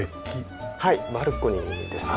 はいバルコニーですね。